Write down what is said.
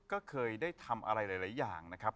ก็เคยได้ทำอะไรหลายอย่างนะครับ